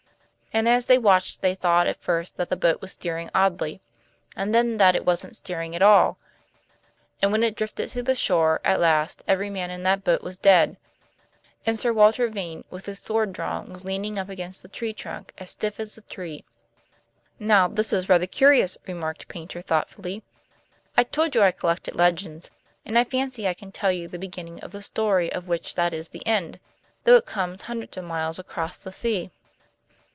And as they watched they thought at first that the boat was steering oddly, and then that it wasn't steering at all; and when it drifted to the shore at last every man in that boat was dead, and Sir Walter Vane, with his sword drawn, was leaning up against the tree trunk, as stiff as the tree." "Now this is rather curious," remarked Paynter thoughtfully. "I told you I collected legends, and I fancy I can tell you the beginning of the story of which that is the end, though it comes hundreds of miles across the sea."